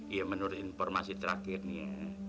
iya menurut informasi terakhir nih ya